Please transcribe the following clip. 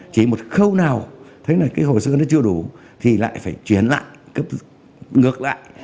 chỉ một khâu nào thấy là hồ sơ nó chưa đủ thì lại phải chuyển lại cấp ngược lại